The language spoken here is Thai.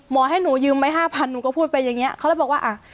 ให้หนูยืมไว้ห้าพันหนูก็พูดไปอย่างเงี้เขาเลยบอกว่าอ่ะ